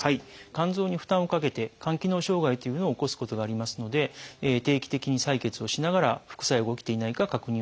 肝臓に負担をかけて肝機能障害というのを起こすことがありますので定期的に採血をしながら副作用が起きていないか確認をします。